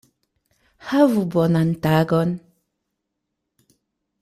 Havu bonan tagon!